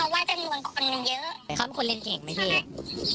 เราเรียนกันทางสัมภัณฑ์เหมือนกันเนอะ